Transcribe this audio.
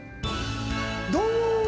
どうも。